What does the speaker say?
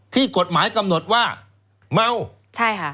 ที่กฎหมายกำหนดว่าเมาใช่ค่ะ